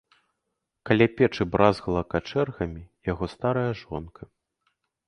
Каля печы бразгала качэргамі яго старая жонка.